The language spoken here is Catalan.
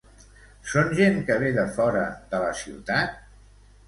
Són gent que ve de fora de la ciutat?